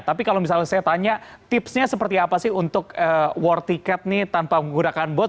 tapi kalau misalnya saya tanya tipsnya seperti apa sih untuk war ticket nih tanpa menggunakan bot